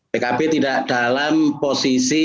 pkb tidak dalam posisi